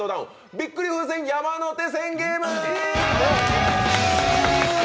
びっくり風船山手線ゲーム